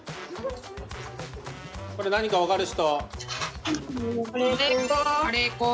これ何か分かる人？